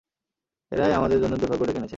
এরাই আমাদের জন্য দুর্ভাগ্য ডেকে এনেছে!